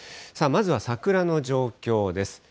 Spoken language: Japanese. さあ、まずは桜の状況です。